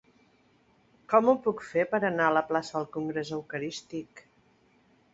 Com ho puc fer per anar a la plaça del Congrés Eucarístic?